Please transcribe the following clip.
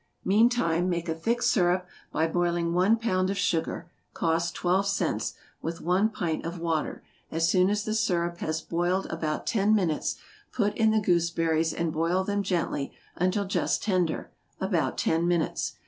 Meantime make a thick syrup by boiling one pound of sugar, (cost twelve cents,) with one pint of water; as soon as the syrup has boiled about ten minutes, put in the gooseberries and boil them gently until just tender, about ten minutes.